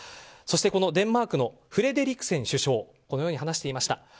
そして、デンマークのフレデリクセン首相はこのように話していました。